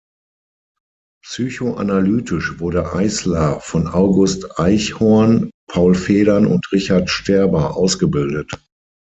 Psychoanalytisch wurde Eissler von August Aichhorn, Paul Federn und Richard Sterba ausgebildet.